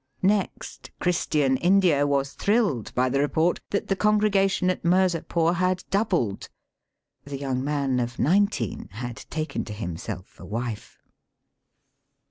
Next, Christian India was thrilled by the report that " the con gregation at Mirzapore had doubled;" the young man of nineteen had taken to himself a wife.